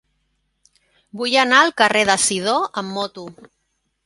Vull anar al carrer de Sidó amb moto.